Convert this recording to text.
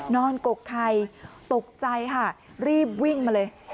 กกไข่ตกใจค่ะรีบวิ่งมาเลย